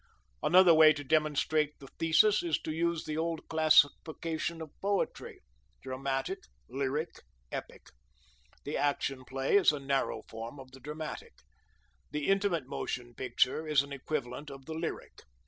Another way to demonstrate the thesis is to use the old classification of poetry: dramatic, lyric, epic. The Action Play is a narrow form of the dramatic. The Intimate Motion Picture is an equivalent of the lyric.